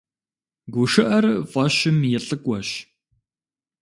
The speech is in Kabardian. ГушыӀэр фӀэщым и лӀыкӀуэщ.